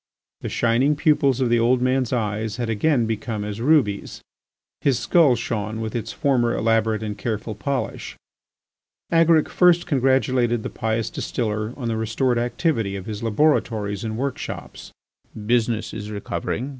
The shining pupils of the old man's eyes had again become as rubies, his skull shone with its former elaborate and careful polish. Agaric first congratulated the pious distiller on the restored activity of his laboratories and workshops. "Business is recovering.